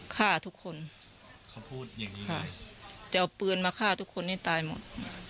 ฆ่าทุกคนเขาพูดอย่างนี้จะเอาปืนมาฆ่าทุกคนให้ตายหมด